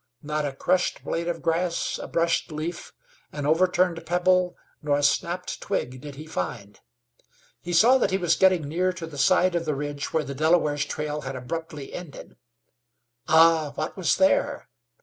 Not a crushed blade of grass, a brushed leaf, an overturned pebble nor a snapped twig did he find. He saw that he was getting near to the side of the ridge where the Delaware's trail had abruptly ended. Ah! what was there?